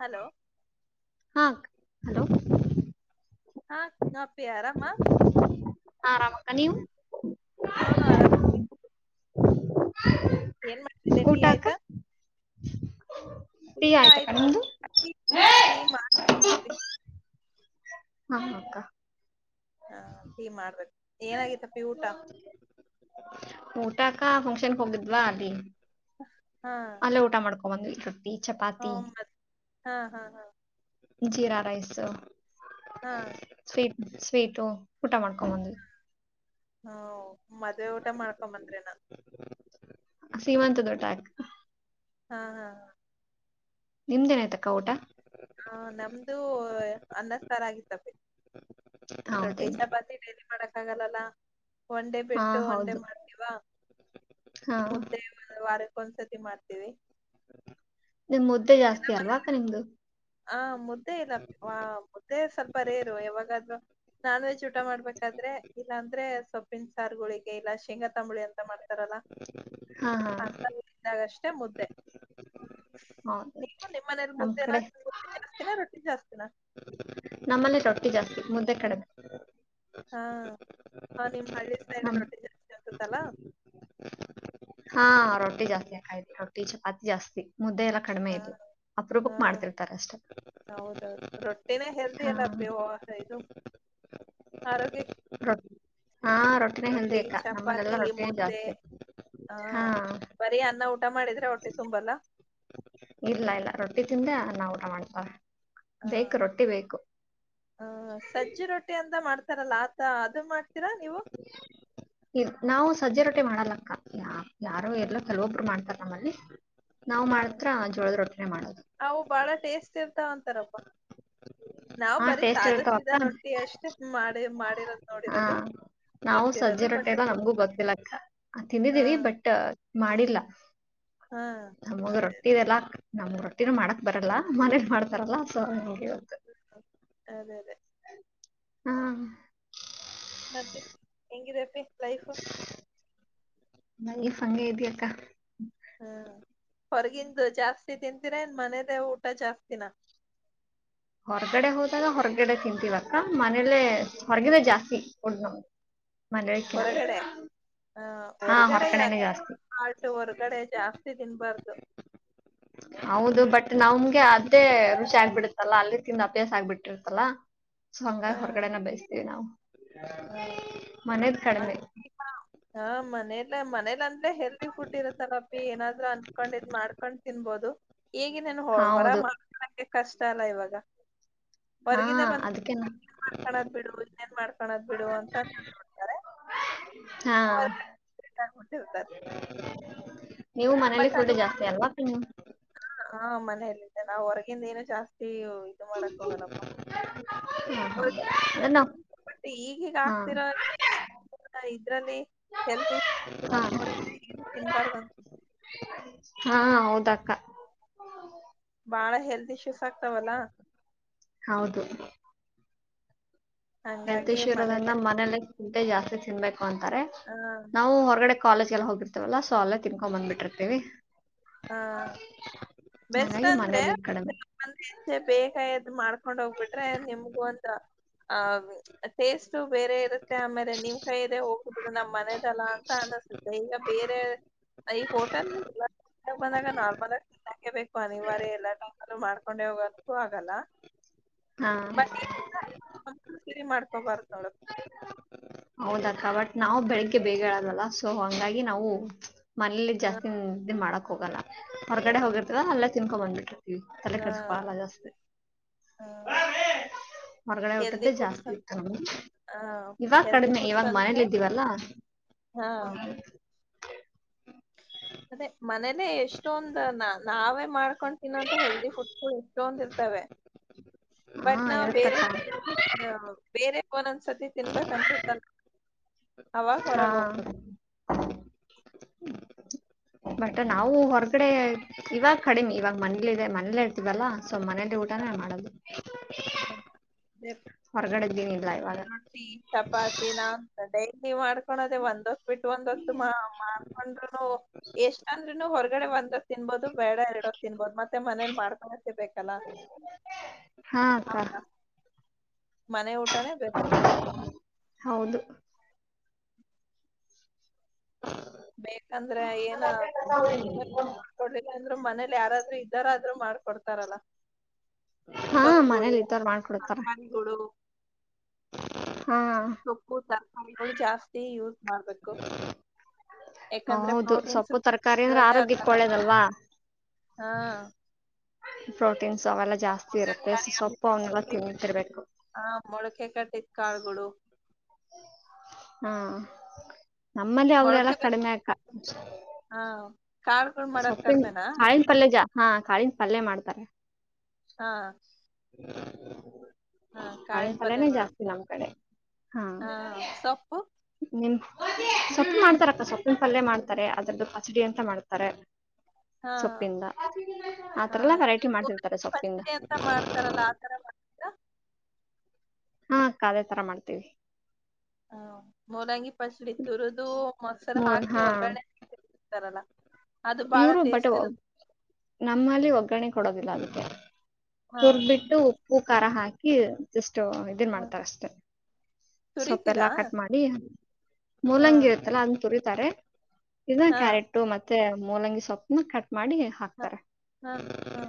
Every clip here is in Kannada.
ಹಲೋ ಹಾ ಅಕ್ಕ ಹಲೋ ಹಾ ಹ ಪ್ಯ ಯಾರ ಹಾ [unintelligible] ಹ ಆರಾಮಕ್ಕ ನೀವು ಹಾ ಆರಾಮ ಏನ್ ಮಾಡ್ತಿದೆಟೀ ಊಟ ಅಕ್ಕ ಆಯ್ತಾ ಇ ಟೀ ಆಯ್ತಕ್ಕ ಆಯ್ತ ನಿಮ್ದು ನ [unintelligible] ಹಾ ಅಕ್ಕ ಹಾ ೀ ಮಾಡ್ರ ಏನಾಗಿತ್ತಪ್ಪಿ ಊಟ ಊಟಕ್ಕ ಫಂಕ್ಷನ್ ಹೋಗಿದ್ವಾ ಅದ ಹಾ ಂದು [unintelligible] ಹ ಮತ್ತ ಹಾ ಹಾ ಹಾ ಜೀರಾ ರೈಸ್ ಹಾ ಸ್ೀಟ್ ಸ್ವೀಟು ಊಟ ಮಾಡ್ಕೊಂಬಂದು ಹಾ ಮದ್ೆ ಊಟ ಮಾಡ್ಕೊಂಬಂದ್ರಿ ನಾನ್ ಸೀಮಂತದೊಟ ಹಾ ಹಾ ನಿಮ್ದೇನಾಯ್ತಕ್ಕ ಊಟ ಹ ನಮ್ದು ಅನ್ನಸ್ತಾರ ಆಗತ್ತವೆ ರೊಟ್ಟಿ ಹೌದೇನ್ರಿ ಚಪಾತಿ ಡೈಲಿ ಮಾಡ ಂಗಲ್ಲಲ್ಲಾ ಒನ್ೇ ಹಾ ಬಿಟ್ಟು ಒನ್ೆ ಹೌದು ಮಾಡ್ತೀವಾ ಹಾ ಮುದ್ದೆ ವಾರ ಒಂದ್ಸತಿ ಮಾಡ್ತೀವಿ ನಿಮ್ ಮುದ್ದೆ ಜಾಸ್ತಿ ಅಲ್ವಾಕ್ಕ ನಿಮ್ದು ಹ ಮುದ್ದೆ ಇಲ್ಲ ಮುದ್ದೆ ಸ್ವಲ್ಪ ರೇರು ಯಾವಾಗಾದ್ೂ ನಾನ್ವೆೆಜ್ ಉಟ್ಟ ಊಟ ಮಾಡ್ಬೇಕಾದ್ರೆ ಇಲ್ಲಾ ಅಂದ್ರೆ ಸೊಪ್ಪಿಿನ ಸಾರುಗಳಿಗೆ ಇಲ್ಲ ಶೇಂಗ ತಾಂಬುಿ ಅಂತ ಮಾಡಾರೆ ಹಾ ಹಾ [unintelligible] ಇದಾಗಷ್ಟ ಮುದ್ದೆ ಹೌದು ನೀವು ನಿಮ್ಮ ಮನೇಲಿ ನಮ್ ಮುದ್ದೇನ ಕಡೆ ಜಾಸ್ತಿ ರೋಿಟಿ ಜಾಸ್ತಿ [inaudible] ನಮ್ಮನೆ ರೊಟ್ಟಿ ಜಾಸ್ತಿ ಮುದ್ದೆ ಕಡಿಮೆ ಹಾ ಹ ಹಾ ನಿಮ್ ಹಳ್ಳಿ ಸ ರಟ್ಟಿ [unintelligible] ತಲ್ಲ ಹಾ ರೊಟ್ಟಿ ಜಾಸ್ತಿ ಆಾಕತಿ ರೊಟ್ಟಿ ಚಪಾತಿ ಜಾಸ್ತಿ ಮುದ್ದೆ ಎಲ್ಲಾ ಕಡಿಮೆ ಹಾ ಇಲಿ ಅಪ್ರೂಫುಕ್ ಮಾಡ್ತಿರ್ತಾರೆ ಅಷ್ಟೇ ರೊಟ್ಟ [unintelligible] ನ ಹೆಲ್ದಿ ಎಲ್ಲ ಪೇ ಇದು ಆರೋಗ್ಯ ಹ [unintelligible] ಹಾ ರೊಟ್ಟಿನೇ ಹೆಲ್ದಿ ಅಕ್ಕ ನಮ್ಮನೆೆಲ್ಲಾ ಚಪಾತಿ ರೊಟ್ಟಿನೇ ಮುದ್ದೆ ಜಾಸ್ತಿ ಹಾ ಬರೀ ಅನ್ನ ಊಟ ಮಾಡಿದ್ರೆ ಹೊಟ್ಟೆ ತುಂಬಲ್ಲ ಇಲ್ಲ ಇಲ್ಲ ರೊಟ್ಟಿ ತಿಂದೆ ನಾ ಊಟ ಮಾಡ್ತವ ಹಾ. ಬೇಕು ರೊಟ್ಟಿ ಬೇಕು ಹ ಸಜ್ಜಿ ರೊಟ್ಟಿ ಅಂತ ಮಾಡ್ತಾರಲ್ಲ ಆತ ಅದು ಮಾಡ ನಾವು ಸಜ್ಜರೊಟ್ಟಿ ೆ ಮಾಡಲಕ್ಕಾ ಯಾರೋ ಎರಲ್ಲೋ ಕೆಲವೊಬ್ರು ಮಾಡ್ತಾರ ಆಾಮಲ್ಲಿ ನಾವು ಹಾ ಮಾತ್ರ ಜೋಳದ ರೊಟ್ಟಿನೆ ಮಾಡದು ಅಂತರಪ್ಪ ನಾವ್ ಬರಿೀ ಟೇಸ್ಟ್ ಇರ್ತಾವ ಸಾಧಿಸಿದ ಅಕ್ಕ ರೊಟ್ಟಿ ಅಷ್ಟೇ ಮಾಡಿ ಮಾಡಿರೋದ್ ಹಾ ನೋಡಿರೋದು ನಾವು ಗೊತ್ತಿರೋದು ಸಜ್ಜೆ ಬಟ್ ರೊಟ್ಟೆ ಎಲ್ಲ ನಮ್ಗೂ ತಿಂದಿಲ್ಲ ಬರ್ತಿಿಲ್ಲ ಹಾ ತಿಂದಿದ್ದೀವಿ ಬಟ್ ಮಾಡಿಲ್ಲ ಹಾ ಅಮ್ಮಗ ಅದೇ ರೊಟ್ಟ ಇಲ್ಲಾ ನಮ್ ರೊಟ್ಟಿನ ಮಾಡಕ್ ಬರಲ್ಲ ಮನೇಲಿ ಮಾಡ್ತಾರಲ್ಲ ಸೊ ಇವತ್ತು ಹ ಅದೇ ಅದೇ ಹ್ಮ ಮತ್ತೆ ಹೆಂಗಿದ ಲೈಫ್ ನಗೆ ಸಂಗ ಇದ್ಯಕ್ಕ ಹ್ಮ್ ಹೊರಗಿಂದ ಜಾಸ್ತಿ ತಿಂತೀರನ್ ಮನದೇ ಊಟ ಜಾಸ್ತಿನ ಹೊರಗಡೆ ಹೋದಾಗ ಹೊರಗಡೆ ತಿಂತೀವಕ್ಕ ಮ ಆೇಲೆ ಹೊರಗಿದೆ ಜಾಸ್ತಿ ಒ [unintelligible] ಹೊರಗಡೆ ಆ ಹಾ ಹೊರಗಡ ಹೊರಗಡೆನೆ ಜಾಸ್ತಿ [unintelligible] ಆಲ್ಟು ಹೊರಗಡೆ ಜಾಸ್ತಿ ತಿನ್ಬಾರ್ದು ಹೌದು ಬಟ್ ನಮ್ಗೆ ಅದೇ ರುಚಿ ಆಗ್ಬಿಡುತ್ತೆ ಲ್ಲ ಅಲ್ಲಿ ತಿಿಂದ ಅಭ್ಯಾಸ ಆಗ್ಬಿಟ್ಟಿರ್ತಲ್ಲ ಸೊ ಹ ಹಂಗಾಗಿ ಹೊರಗಡೆನ ಬಯಸ್ತೀವಿ ನಾವು ಹ ಮನೆದ ಕಡಿಮೆ ಲ್ಲ ಮನೇಲ್ಲ ಅನ್ ಅಂದ್ರೆ ಹೆಲ್ದಿ ಫುಡ್ ಇರುತ್ತಲ್ಲಪ್ಪಿ ಏನಾದ್ರು ಅನ್ಕೊಂಡ ಇದ್ ಮಾಡ್ಕೊಂಡ್ ತಿನ್ಬೋದು. ಹೇಗ ನಾನು ಹೊ ಹೊರಗ್ ಹೌದು ಮಾಡ್ಕಣಕ್ಕೆ ಕಷ್ಟ ಅಲ್ಲ ಇವಾಗ ಹಾ ಹೊರ್ಗಿಂದ ಅದಕ್ಕೆನ ಬಂದುನ್ ಮಾಡ್ಕಳದ್ ಬಿಡು ಇನ್ನೇನ್ ಮಾಡ್ ಕಣದ್ ಬಿಡು ಅಂತಂತ ನೋಡ್ತಾರೆ. ಹಾ [unintelligible] ನೀವು ಮನೇಲಿ ಬಟ್ ಕೂಡ ಅದು ಜಾಸ್ತಿ ಮುಂದೆ ಅಲ್ವಾ? ಪಿನ್ ಹಾ ನಾವ್ ಹೊರಗಿಂದ ಏನು ಜಾಸ್ ತಿ ಇದು ಮಾಡಕ್ ಹೋಗಲ್ಲಪ್ಪ ಹಾ ಹಾ ಅಂದ್ರೆ ನಾವ್ ಬಟ್ ಈಗೀಗ ಹಾ ಆಗ್ತಿರ ಅ ಇದ್ರಲ್ಲಿ ಹೆಲ್ತ್ ಇಶ್ಯೂ ಹಾ ಆಗ್ರ ನೋಡಿದ್ರೆ ಏನು ತಿನ್ಬಾರ್ದನ್ ಹಾ ಹೌದಕ್ಕ. ಬಾಳ ಹೆಲ್ತ್ ಇಶ್ಯೂ ತಿಸ್ ಆಕ್ತಾವಲ್ಲ ಹೌದು ಹೆಲ್ತ್ ಇಶ್ಯೂ ಇರೋದಂಗ ಮನೇಲೆ ಜಾಸ್ತಿ ತಿನ್ಬೇಕ್ ಅಂತಾರೆ ಹ ನಾವು ಹೊರಗಡೆ ಕಾಲೇಜ್ಗೆಲ್ಲ ಹೋಗಿರ್ತವಲ್ಲ ಸೊ ಅಲ್ಲೆ ತಿನ್ಕೊಂಡ್ ಬಂದ್ಬಿಟ್ಟಿರ್ತೀವಿ. ಹಾ ಬೆಸ್ಟ್ ಹಂಗಾಗಿ ಅಂದ್ರೆ ಮನೇಲಿ ಇದ್ ಕಡಿಮೆ [unintelligible] ಬೇಗ ಎದ್ ಮಾಡ್ಕೊಂಡ್ ಹೋಗ್ಬಿಟ್ರೆ ನಿಮ್ಗೂ ಅಂತ್ರ ಆ ಟೇಸ್ ಟು ಬೇರೆ ಇರುತ್ತೆ ಆಮೇಲೆ ನಿಮ್ ಕೈ ಇದೆ ಹೋಗ್ಲಿ ಬಿಡು ನಮ್ ಮನೆದಲ್ಲ ಅಂತ ಅನ್ನಸುತ್ತೆ. ಈಗ ಬೇರೆ ಈಗ್ ಹೋಟೆಲೆಲ್ಲ ಬಂದಾಗ ನಾರ್ಮಲ್ ಆಗ್ ತಿನ್ನೋಕೆ ಬೇಕು ಅನಿವಾರ್ಯ ಎಲ್ಲಾ ಟೈಮಲ್ಲೂ ಮಾಡ್ಕೊಂಡೆ ಹೋಗೋಕ್ಕೂ ಆಗಲ್ಲ. ಹಾ ಮತ್ತ [unintelligible] ಮಾಡ್ಕೊಬಾರ್ದು ನೋಡು. ಹೌದಕ್ಕ ಬಟ್ ನಾವು ಬೆಳಿಗ್ಗೆ ಬೇಗ ಏಳಲ್ವಲ್ಲ ಸೊ ಹಂಗಾಗಿ ನಾವು ಮನೇಲಿ ಹ ಜಾಸ್ತಿ ನಿದ್ದೆ ಮಾಡ ಹೋಗಲ್ಲ. ಹೊರಗಡೆ ಹ ಹೋಗಿರ್ತಿವ ಅಲ್ಲೆ ತಿನ್ಕೊಂಡ್ ಬಂದ್ಬಿಟ್ಟಿ ತಲೆ ಹ ಕೆಡಿಸಿಕೊಳ್ಳಲ್ಲ ಜಾಸ್ ಹ ಹೊರಗಡೆ ಹೆಲ್ದಿ ಹುಟ್ಟದ್ದೆ ಫುಡ್ಸ್ ಜಾಸ್ತಿ ಅಂತ ಇತ್ತು ಹ ಇವಾಗ ಹೆಲ್ದಿ ಕಡಿಮೆ ಫುಡ್ಸ್ ಇವಾಗ ಅಂದ್ರೆ ಮನೇಲಿ ಇದ್ದೀವಲ್ಲಾ ಹ ಅದೆ ಮನೇಲೆ ಎಷ್ಟೊಂದ್ ನಾ ನಾವೇ ಮಾಡ್ ನಾವೆ ಮಾಡ್ಕೊಂಡು ತಿನ್ನೋಂತ ಹೆಲ್ದಿ ಫುಡ್ಸ್ ಎಷ್ಟೊಂದ ಇರ್ತವೆ ಹಾ ಬಟ್ ನಾವ್ ಬೇರೆ ಇರುತ್ತಕ್ಕ ಬೆರೆ ಓನಂದ್ ಸತಿ ತಿನ್ಬೇಕ್ ಕನ್ಸುತ್ತನ್ ಅವಾಗ ಹೊರಗೆ ಹೋಗ್ಬೇಕ್ ಹಾ ಬಟ್ ನಾವು ಹೊರಗಡೆ ಇವಾಗ ಕಡಿಮೆ ಇವಾಗ ಮನೇಲಿ ಇದೆ ಮನೇಲ್ಲ ಇರ್ತೀವಲ್ಲಾ ಸೊ ಮನೇಲಿ ಹಾ ಊಟಾನೇ ಮಾಡದು. ಹೊರಗಡೆದ್ದೆನ್ ಇಲ್ಲ ಇವ್ ರೊಟ್ಟಿ ಚಪಾತಿನ ಡೈಲಿ ಮಾಡ್ಕೊಣೋದೇ ಒಂದು ಬಿಟ್ ಒಂದೋತ್ತು ಮಾ ಮಾಡ್ಕೊಂಡ್ರುನು ಎಷ್ಟನ್ ನು ಹೊರಗಡೆ ಬಂದ ತಿನ್ಬದು ಬೇಡ ಎರಡೊತ್ ತಿನ್ಬೋದು ಮ ಮತ್ತೆ ಮನೇಲ್ ಮಾಡ್ಕೊಬೆ ಕಲ್ಲ ಹಾ ಅಕ್ಕ ಹಾಕ್ಕ ಮನೆ ಊಟಾನೆ ಬೆಸ್ಟ್. ಹೌದು ಬೇಕಂದ್ರ ಏನ [unintelligible] ರು ಮನೇಲಿ ಯಾರಾದ್ರು ಇದ್ದಾರಾದ್ರು ಮಾಡ್ಕೊಡ್ತಾರಲ್ಲ. ಹಾ ಸೊಪ್ಗಳು ಮನೇಲಿ ಇರ್ತಾರ್ ಮಾಡ್ಕೊಡ್ತಾರ. ತರ್ಕಾರಿಗಳು ಹಾ ಸೊಪ್ಪು ತರಕಾರಿಗಳು ಜಾಸ್ತಿ ಯೂ ಮಾಡ್ಬೇಕು ಯಾಕಂದ್ರೆ ಹೌದು ಪ್ರೋಟೀನ್ಸ್ ಸೊಪ್ಪು ತರಕಾರಿ ಅಂದ್ರೆ ಆರೋಗ್ಯಕ್ಕೆ [unintelligible] ಒಳ್ಳೇದಲ್ವಾ ಹಾ ಪ್ರೊ ಸೊಪ್ಪು ತರಕಾರಿ ಅವನ್ನೆಲ್ಲ [unintelligible] ತಿಂತಿರ್ಬೇಕು ಹ ಮೊಳಕೆ ಕಟ್ಟಿದ್ ಕಾಳುಗಳು ಹ್ಮ್ ನಮ್ಮಲ್ಲಿ ಅವ್ರಲ್ಲ ಮೊಳಕೆ ಬರ್ ಕಡಿಮೆ ಆಕ್ಕ ಹಾ ಕಾಳ್ಗಳ್ ಮಾಡೋದ್ ಸೊಪ್ಪಿನ್ ಕಡ್ಮೆನಾ ಕಾಯ್ ಪಲ್ಲೆ ಜಾ ಹಾ ಕಾಳಿನ ಪಲ್ಯ ಮಾಡ್ತಾರೆ. ಹಾ ಹಾ ಕಾಳಿನ ಕಾಳಿನ್ ಪಲ್ಯ ನೆ ಪಲ್ಯಗಳು ಜಾಸ್ತಿ ನಮ್ ಕಡೆ ಹಾ ಸೊಪ್ಪು ನಿಮ್ ಸೊಪ್ಪು ಮಾಡ್ತಾರಕ್ಕ ಸೊಪ್ಪಿನ ಪಲ್ಯೆ ಮಾಡ್ತಾರೆ ಅದ್ರದು ಪಚಡಿ ಅಂತ ಮಾಡ್ ತಾರೆ. ಹಾ ಸೊಪ್ಪಿಂದ ಹಾ ಆತರೆಲ್ಲ ಇದು ವೆರೈಟಿ ಪೂರಿ ಮಾಡ್ತಿರ್ತಾರೆ ಸೊಪ್ಪಿಂದ. ಪಚಡಿ ಅಂತ ಮಾಡ್ತಾರಲ್ಲ ಆತರ ಮಾಡ್ತೀರಾ? ಹಾ ಅಕ್ಕ ಅದೆ ತರ ಮಾಡ್ತೇವಿ. ಹ್ಮ ಮೂಲಂಗಿ ಪಚಡಿ ತುರಿದು ಮೊಸರು ಮೂರ್ ಹಾಕಿ ಒಗ್ಗರಣೆರ್ತಾರಲ್ಲಾ, ಇವರು ಬಟ್ ನಮ್ಮಲ್ಲಿ ಒಗ್ಗರಣೆ ಕೊಡೋದಿಲ್ಲ ಅದ್ ಹಾ ತುರ್ದ್ ಬಿಟ್ಟು ಉಪ್ಪು ಕಾರ ಹಾಕಿ ಜಸ್ ಟ್ ಇದುನ್ ಹಾ ಮಾಡ್ತಾರಷ್ಟೇ ತುರಿತೀರಾ ಸೊಪ್ಪೆಲ್ಲಾ ಕಟ್ ಮಾಡಿ ಹಾ ಮೂಲಂಗಿ ಇರತ್ತಲ್ಲ ಅದ್ನ್ ತುರಿ ತಾರೆ ಇದ್ನ ಹಾ ಕ್ಯಾರೆಟು ಮತ್ ತ್ತೆ ಮೂಲಂಗಿ ಸ್ವಪ್ನ ಕಟ್ ಮಾಡಿ ಹ ಹಾಕ್ತಾರೆ ಹಾ ಹ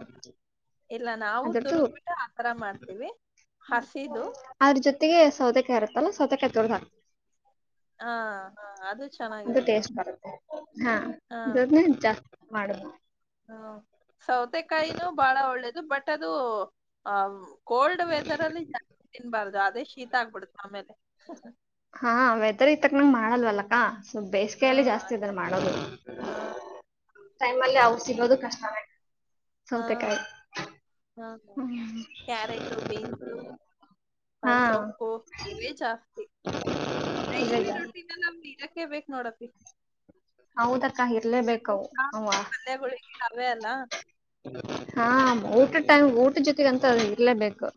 ಇಲ್ಲ ನಾವು ಅದ್ರದ್ದು ತುರ್ದ್ ಬಿಟ್ಟ ಆತರ ಮಾಡ್ತೀವಿ ಹಸಿದು ಜತ್ತಿಗೆ ಸೌತೆಕ ಇರುತ್ತಲ್ಲ ಸೌತೆಕ ತುರ್ದ ಹಾಕ್ ಹಾ ಹಾ ಅದು ಅದು ಚೆನ್ನಾಗಿರುತ್ತ ಟೆಸ್ಟ್ ಬರುತ್ತೆ ಹಾ ದೊಡ್ದೇನ್ ಜಾಸ್ ಮಾಡದು. ಹ್ಮ ಸೌತೆಕಾಯಿನೂ ಬಾಳ ಒಳ್ಳೇದು ಬಟ್ ಟ್ ಅದು ಆವ್ ಕೋಲ್ಡ್ ವೆದರ್ ಅಲ್ಲಿ ಜಾಸ್ತಿ ತಿನ್ಬಾರ್ದಾ ಆ ಅದೇ ಶೀತ ಆಗ್ಬಿಡುತ್ ಆಮೇಲೆ. ಹಾ ವೆದರಿಗ್ ತಕ್ನಂಗ್ ಮಾ ಮಾಡಲ್ವಲ್ಲಕ್ಕ ಸ್ವಲ್ ಹಾ ಬೇಸಿಗೆಯಲ್ಲಿ ಜಾಸ್ತಿ ಅದೇ ಅದನ್ನ್ ಮಾಡೋದು ಹಾ ಟೈಮಲ್ಲಿ ಸಿಗೋದು ಕಷ್ಟನೆ. ಹಾ ಸೌತೆಕಾಯಿ ಹಾ ಹ್ಮ್ ಕ್ಯಾರೆಟು ಬೀನ್ಸು ಹಾ ಸೊಪ್ಪು ಇಲ್ಲೇ ಜಾಸ್ತಿ. ಇವೆ ಡೈಲಿ ಜಾಸ್ತಿ ರೊಟಿನಲ್ ನಮ್ದ್ ಇರ ಕ್ಕೆ ಬೇಕ್ ನೋಡಪ್ಪಿ ಹೌದಕ್ಕ ಇರ್ಲೇಬೇಕ ಇಲ್ಲಂದ್ರೆ ಅವ್ ಅವ್ವಾ ಸಾಗು ಪಲ್ಯಗಳಿಗೆ ಅವೇ ಅಲ್ಲ ಹಾ ಊಟ ಟೈಮ್ ಊ ಟದ್ ಜೊತೆಗ ಅಂತು ಅದ್ ಇರ್ಲೇಬೇಕು.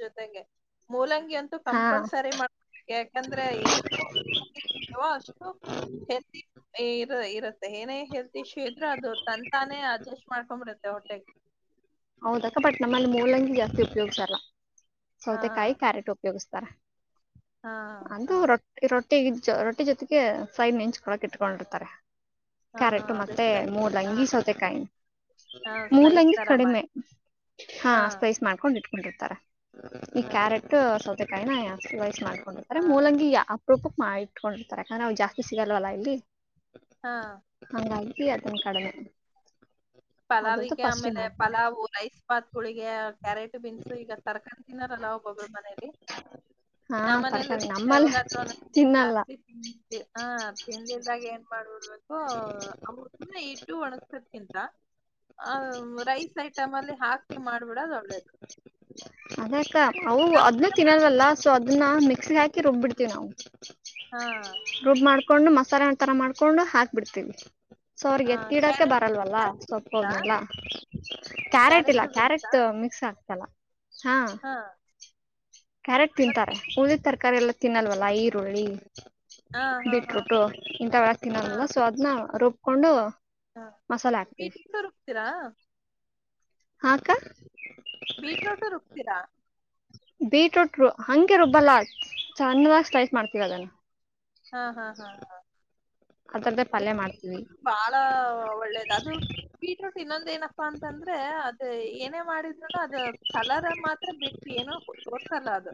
ಜೊತೆಗೆ ಮೂಲಂ ಹಾ ಕಂಪಲ್ಸರಿ ಯಾಕಂದ್ರೆ ಎಷ್ಟು ಅಷ್ಟು ಹೆಲ್ತು ಇರುತ್ ಏನೇ ಹೆಲ್ ಕ್ಷೇತ್ರ ಅದು ತಂತಾನೆ ಅದು ಮಾಡ್ಕೊಂಡ್ಬಿಡತ್ತೆ ಹೊಟ್ಟೆೆಗೆ ಹೌದಕ್ಕ ಬಟ್ ನಮ್ಮಲ್ಲಿ ಮೂಳ್ಳಂಗಿ ಜಾಸ್ತಿ ಉಪಯೋಗ್ಸಲ್ಲ ಹಾ ಸೌತೆಕಾಯಿ ಕ್ಯಾರೆಟ್ ಉಪಯೋಗಸ್ ತ್ತರ ಹಾ ಹ ಹೌದು [unintelligible] ರೊಟ್ಟಿ ಜೊತೆಗೆ ಫ್ರೈನ್ ನೆಂಚ್ಕಳಕ್ ಇಟ್ಕೊಂಡಿರ್ತಾರೆ ಹಾ ಹಾ ಕ್ಯಾರೆಟ ಅದೇ ಮತ್ತೆ ಸೈಜ್ ಹಾ ಮೂಲಂಗಿ ಸೌತೆಕಾಯಿ ಹಾ ಸೈಜ್ ಮೂಲಂಗಿ ತರ ಕಡಿಮೆ ಮಾಡಿ ಹಾ ಸ್ಪೈಸ್ ಮಾಡ್ಕೊಂಡ ಇಟ್ ಕೊಂಡಿರ್ತಾರೆ ಈ ಹಾ ಕ್ಯಾರೆಟ್ ಸೌತೆ ಕೈ ನ ಆ ವೈಸ್ ಮಾಡ ಅಂದ್ರೆ ಹಾ ಮೂಲಂಗಿ ಯ ರೂಪಕ್ ಮಾಡಿಟ್ಕೊಂಡಿರ್ತಾರೆಕ [unintelligible] ಜಾಸ್ತಿ ಸಿಗಲ್ವಲ್ಲ ಇಲ್ಲಿ ಹಾ ಇ ಅತಂ ಕಡಮೆ ಪಲಾವಿಗೆ ಆಮೇಲೆ ಪಲಾವ್ ರೈಸ್ ಪಾತ್ಗಳಿಗೆ ಕ್ಯಾರೆಟ್ ಬಿನ್ಸ ಈಗ ತರಕಾರಿ ತಿನ್ನಾರಲ್ಲ ಒಬ್ಬೊಬ್ಬರು ಮನೇಲಿ ಹಾ ನಮ್ಮ ಮನೇಲ್ಲ ತರಕಾರಿ ಸ ನಮ್ಮಲ್ಲಿ ಯಾವಾಗಾದ್ ತಿನ್ನಲ್ಲ ಜಾಸ್ತಿ ತಿ ಹ ತಿಂದಿದಾಗ ಏ ಮಾಡ್ಬಿಡ್ ಅವರು ಇಟ್ಟು ಒಣಗ್ಸದ್ಕಿಂತ ಆ ರೈಸ್ ಐಟಮ್ ಅಲ್ಲಿ ಹಾಕಿ ಮಾಡ್ಬಿಡದು ಒಳ್ಳೇದು ಅದಕ್ಕ ಅವು ಅದನ್ನ ತಿನ್ನಲ್ವಲ್ಲ ಸೊ ಅದನ್ನ ಮಿಕ್ಸಿಗೆ ಹಾಕಿ ರುಬ್ಬಿಡ್ತೀವಿ ನಾವು ಹಾ ಕೊಂಡು. ಮಸಾಲೆ ತರ ಮಾಡ್ಕೊಂಡು ಬಿಡ್ತವಿ ಸೊ ಅವ್ರಿಗೆ ಆ ಎತ್ತಿಡೋಕ ಕ್ಯಾರೆಟ್ ಬರಲ್ವಲ್ಲ ಕ್ಯಾರೆಟ್ ಸೊಪ್ಪು ಬೀನ್ಸಾ? ಹೋದ್ನೆೆಲ್ಲ ಕ್ಯಾರೆಟ್ ಇಲ್ಲ ಕ್ಯಾರೆಟ್ ಮಿಕ್ಸ್ ಆಗ್ತಲ್ಲ ಹಾ ಕ್ಯಾರೆಟ್ ಮತ್ ತಿಂತಾರೆ ಮಿಕ್ಸ್ ಉದಿದ ತರಕಾರಿ ಎಲ್ಲ ತಿನ್ನಲ್ವಲ್ಲ ಈರುಳ್ಳಿ ಹಾ ಹಾ ಹಾ ಬಿಟ್ರೂಟು ಇಂಥ ವಳ ಹಾ ತಿನ್ನಲ್ಲಲ್ಲ ಸೊ ಅದ್ನ ರೊ ಕೊಂಡು ಹಾ ಟೀಚರ್ ಹೋಗ್ತೀರ? ಹಾ ಅಕ್ಕ ಬೀಟ್ರೋಟು ರುಬ್ತೀರಾ? ಬೀಟ್ರೂಟ್ರು ಹಂಗೆ ರುಬ್ಬಲ್ಲ ಸಣ್ಣದಾಗಿ ಸ್ಲೈಸ್ ಮಾಡ್ತವ್ ಅದನ್ನ. ಹಾ ಹಾ ಹಾ ಹಾ ಅದರದ್ದೇ ಪಲ್ಯ ಮಾಡ್ತೀವಿ ಬಾಳ ಒಳ್ಳೇದ ಅದು ಬೀಟ್ರೂಟ್ ಇನ್ನೊಂದ ಏನಪ್ಪಾ ಅಂತಂದ್ರೆ ಅದ ಏನೇ ಮಾಡಿದ್ರುನು ಅದ ಕಲರ್ ಮಾತ್ರ ಬಿಟ್ಟ ಏನೋ ತೋರ್ಸಲ್ಲ ಅದು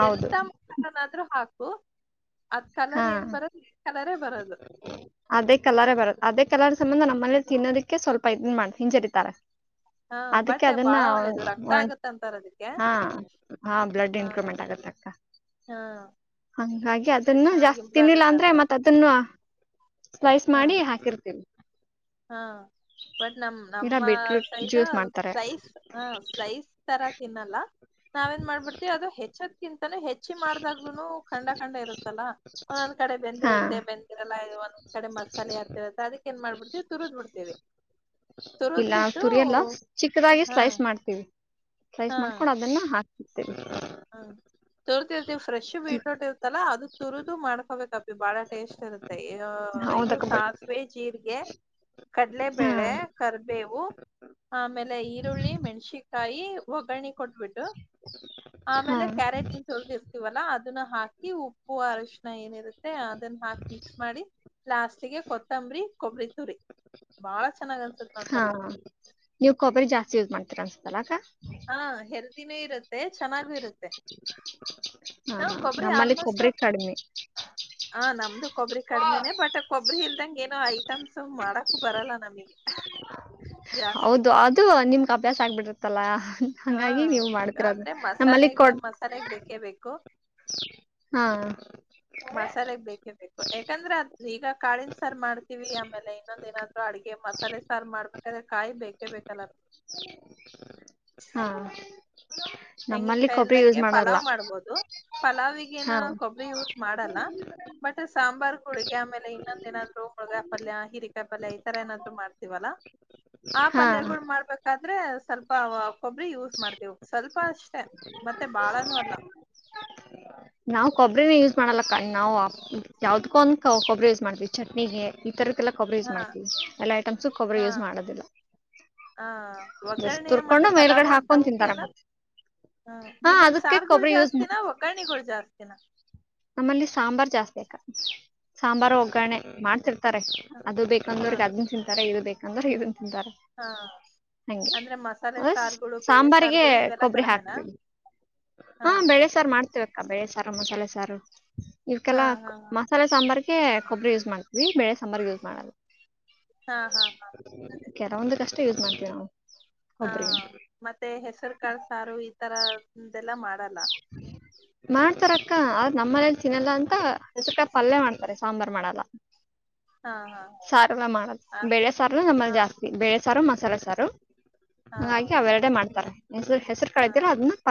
ಹೌದು ಎಂತ ಮಸಾಲನಾದ್ರೂ ಹಾಕ್ ಕು ಅದ್ ಹಾ ಕಲರ್ ಏನ್ ಬರೋದು ರೆಡ್ ಕಲರೇ ಬರೋದು. ಅದೇ ಕಲರೆ ಬರದು ಅದೇ ಕಲರ್ ಸಂಬಂಧ ನಮ್ಮಲ್ಲಿ ತಿನ್ನೋದಕ್ಕೆ ಸ್ವಲ್ಪ ಇದನ್ ಮಾಡ್ ಹಿಂಜರಿತಾರೆ. ಹಾ ಅದಕ್ಕೆ ಅದನ್ನ ಬಾಳ ಒಳ್ಳೇದು ರಕ್ತ ಆಗತ್ತ್ ಅಂತಾರ ಅದಕ್ಕೆ ಹಾ ಹ ಬ್ಲಡ್ ಹಾ ಇನ್ಕ್ರೂಮೆಂಟ್ ಆಗತ್ತಕ್ಕ ಹಾ ಹಂಗಾ ಅದನ್ನು ಚೆನ್ನಾಗ್ ಜಾಸ್ತಿ ತಿನ್ನಿಲ್ಲ ಆಗತ್ತ್ ಅಂದ್ರೆ ಅಂತಾರ ಮತ್ತೆ ಅದನ್ನು ಸ್ಲೈಸ್ ಹಾ ಮಾಡಿ ಹಾಕಿರ್ತೀವಿ. ಹಾ ಬಟ್ ನಮ್ ಇಲ್ಲ ನಮ್ಮ ಬೀಟ್ರೂಟ್ ಸೈಡ್ ಜ್ಯೂಸ್ ಮಾಡ್ತಾರೆ ಸ್ಲೈಸ್ ಹ ಸ್ಲೈಸ್ ತರ ತಿನ್ನಲ್ಲ ನಾವೇನ್ ಮಾಡ್ಬಿಡ್ತಿವಿ ಅದು ಹೆಚ್ಚ ತಾನ ಹೆಚ್ಚಿ ಮಾಡಿದಾಗ್ಲೂನು ಖಂಡ ಖಂಡ ಇರುತ್ತಲ್ಲ ಒಂದೊಂದ್ ಕಡೆ ಹಾ ಬೆಂದಿರುತ್ತೆ ಬೆಂದಿರಲ್ಲ ಒನ್ನೊ ಕಡೆ ಮಸಾಲೆ ಆತ್ತರತ್ತೆ ಅದಕ್ಕೇನ್ ಮಾಡ್ಬಿಡ್ತಿವ್ ಇಲ್ಲ ಬಿಟ್ಟು ತುರಿಯಲ್ಲ ಚಿಕ್ಕದಾಗಿ ಹಾ ಸ್ಲೈಸ್ ಮಾಡ್ತೀವಿ. ಸೈಸ್ ಮಾಡ್ಕೊಂಡು ಅದನ್ನ ಮೆತ್ತೆ ಹ್ಮ ತುರ್ತಿ ಇರ್ತಿವಿ ಫ್ರೆಶ್ ಬೀಟ್ರೋಟ್ ಇರ್ತಲ್ಲಾ ಅದು ತುರ್ದು ಮಾಡ್ಕೋಬೇಕ ಪ್ಪಿ ಬಹಳ ಟೇಸ್ಟ್ ಇರುತ್ತೆ ಏ ಇದು ಹೌದಕ್ಕ ಬ ಸಾಸಿವೆ ಜೀರಿಗೆ ಹಾ ಕಡಲೆಬೇಳೆ ಕರ್ಬೇವು ಆಮೇಲೆ ಈರುಳ್ಳಿ ಮೆಣಸಿಕಾಯಿ, ಒಗ್ಗರ್ಣಿ ಕೊಟ್ಬಿಟ್ಟು ಹಾ ಆಮೇಲೆ ಕ್ಯಾರೆಟ್ ಏನ್ ತುರ್ದ್ ಇರ್ತೀವಲ್ಲ ಅದನ್ನ ಹಾಕಿ ಉಪ್ಪು ಅರಶಿನ ಏನಿರುತ್ತೆ ಅದನ್ನ ಹಾಕಿ ಮಿಕ್ಸ್ ಮಾಡಿ ಲಾಸ್ಟ್ಗೆ ಕೊತ್ತಂಬರಿ ಕೊಬ್ಬರಿ ತುರಿ ಬಾಳ ಚೆನ್ನಾಗ ಅನ್ಸುತ್ತ ಹಾ ನೋಡ್ಪಲ್ಲೆ. ತಲಕ್ಕ. ಹಾ ಹೆಲ್ದಿನೇ ಇರು ತ್ತೆ ಚೆನ್ನಾಗು ಇರುತ್ತೆ ಹಾ ಹ ಹಾ ಕೊಬರಿ ನಮ್ಮಲ್ಲಿ ಆಲ್ಮೋಸ್ಟ್ ಕೊಬ್ಬರಿ ಕಡಿಮೆ ಹಾ ನಮ್ದು ಕೊಬ್ಬರಿ ಕಡಿಮೆನೆ ಬಟ್ ಕೊಬರಿ ಇಲ್ ಇದಂಗ ಏನೋ ಐಟಮ್ಸ್ ಮಾಡಕು ಬರಲ್ಲ ನಮಿಗ್ ಹ್ಮ್. ಹೌದು ಅದು ನಿಮ್ಗೆ ಅಭ್ಯಾಸ ಆಗ್ಬಿಡ್ರ್ ಕಲ ಹಾ ಹಂಗಾಗಿ ನೀವು ಮಾಡ್ತಿರೋದು ನಮ್ಮಲ್ಲಿ ಕೊಡ್ ಕೆ ಬೇಕು ಹಾ ಮಸಾಲೆಗ್ ಬೇಕೇ ಬೇಕು ಯಾಕಂದ್ರೆ ಅದ್ ಈಗ ಕಾಳಿನ ಸಾರು ಮಾಡ್ತೀವಿ ಆಮೇಲೆ ಇನ್ನೊಂದ ಏನಾದ್ರು ಅಡ್ಗೆ ಮಸಾಲೆ ಸಾರು ಮಾಡ್ಬೇಕಾದ್ರೆ ಕಾಯಿ ಬೇಕೇ ಬೇಕಲ್ಲ ಹಾ ನಮ್ಮಲ್ಲಿ ತೆಂಗಿನಕಾಯಿ ಕೊಬ್ಬರಿ ಇಲ್ದಂಗೆ ಯೂಸ್ ಮಾಡಲ್ಲ ಪಲಾವ್ ಮಾಡ್ಬೋದು ಪಲಾವಿಗೇನ ಹಾ ಕೊಬ್ಬರಿ ಯೂಸ್ ಮಾಡಲ್ಲ ಬಟ್ ಸಾಂಬಾರ್ ಹುಳ್ಗಿ ಆಮೇಲೆ ಇನ್ನೊಂದ ಏನಾದ್ರು ಹುಳ್ಗಾಯಿ ಪಲ್ಯ ಹರಿಕಾಯಿ ಪಲ್ಯ ಈ ತರ ಏನಾದ್ರು ಮಾಡ್ತೀವಲ್ಲಾ ಆ ಹಾ ಪಲ್ಯಗಳು ಮಾಡ್ಬೇಕಾ ದ್ರೆ ಸ್ವಲ್ಪ ಕೊಬ್ರಿ ಯೂಸ್ ಮಾಡ್ತೇವು ಸ್ವಲ್ ತ್ತೆ ಮತ್ತೆ ಬಾಳಾನೂ ಅಲ್ಲ ನಾವ್ ಕೊಬ್ರನ ಯೂಸ್ ಮಾಡಲ್ಲ ಕ ನಾವು ಯಾವ್ದಕ ಒಂದ ಕೊಬ್ರಿ ಯೂಸ್ ಮಾಡ್ತಿವಿ ಚಟ್ನಿಗೆ ಈ ತರಕ್ಕೆಲ್ಲಾ ಕೊಬ್ರಿ ಯೂಸ್ ಹಾ ಮಾಡ್ತೀವಿ ಎಲ್ಲಾ ಐಟಮ್ಸು ಕೊಬ್ರಿ ಹಾ ಯೂಸ್ ಮಾಡೋದಿಲ್ಲ ಹ ಜಸ್ಟ್ ಒಗ್ಗರಣೆ ಮತ್ತೆ ತುರ್ಕೊಂಡು ಮೇಲ್ಗಡೆ ಪಲಾವು ಹಾಕೊಂಡ್ ಅಂತವು ಕೆ ತಿಂತಾರ ಅಲ್ಲ ಮತ್ತೆ ಹ ಹಾ ನಿಮ್ಮಲ್ಲಿ ಅದಕ್ಕೆ ಸಾರುಗಳು ಕೊಬ್ಬರಿ ಯೂಸ್ ಜಾಸ್ತಿನ ಒಗ್ಗಣೆಗಳು ಜಾಸ್ತಿನ ನಮ್ಮಲ್ಲಿ ಸಾಂಬಾರ್ ಜಾಸ್ತಿ ಅಕ ಹಾ ಸಾಂಬಾರ್ ಒಗ್ಗರಣೆ ಮಾಡ್ತಿರ್ತ ತಾರೆ ಅದು ಹಾ ಬೇಕಂದವ್ರಿಗೆ ಅದ್ದಿನ ತಿಂತಾರೆ ಇದು ಬೇಕು ಅಂದ್ರೆ ಇದು ತಿಂತಾರೆ ಹಾ ಹಂಗೆ ಅಂದ್ರೆ ಮಸಾಲೆ ಸಾರುಗಳು ಬೇಳೆ ಸಾಂಬಾರಿಗೆ ಸಾರುಗಳು ಇವೆಲ್ಲಾ ಕೊಬ್ಬರಿ ಕಡಿಮೆನಾ ಹಾಕ್ತೀವಿ ಹಾ ಬೆಳೆಸಾರು ಮಾಡ್ತೇವಕ್ಕ ಬೆಳೆಸಾರ ಮಸಾಲೆ ಸ ಸಾರು ಹಾ ಇವಕ್ಕೆಲ್ಲ ಹಾ ಮಸಾಲೆ ಸಾಂಬಾರ್ಗೆ ಕೊಬ್ಬರಿ ಯೂಸ್ ಮಾಡ್ತವಿ ಬೆೇಳೆ ಸಾಂಬಾರ್ ಯೂಸ್ ಮಾಡಲ್ಲ ಹಾ ಹಾ ಹಾ ಅದೇ ಕೆಲವೊಂದು ಕಷ್ ಯೂಸ್ ಮಾಡ್ತೀವಿ [unintelligible] ಹಾ ಒಬ್ರಿಗೆ ಮತ್ತೆ ಹೆಸರು ಕಾಳ ಸಾರು ಈ ತರದೆಲ್ಲ ಮಾಡ [unintelligible] ಕ ಆದ್ ನಮ್ಮ ಮನೇಲಿ ತಿನ್ನಲ್ಲ ಅಂತ ಅ ಪಲ್ಯ ಮಾಡ್ತಾರೆ ಸಾಂಬಾರ್ ಮಾಡಲ್ಲ ಹಾ ಹಾ ಸಾರುಲ್ಲ ಮಾಡದು ಹಾ ಬೇಳೆ ಸಾರುನು ಹಾ ನಮ್ಮಲ್ಲಿ ಜಾಸ್ತಿ ಬೆೇಳೆ ಸಾರು ಮಸ್ ಸಲ ಸಾರು ಹಾ ಹಾಗಾಗಿ ಅವೆರಡೆ ಮಾಡ್ತಾರೆ [unintelligible] ಹೆಸರು ಕಳಿದ್ರ ಹಾ ಅದನ್ನ [unintelligible]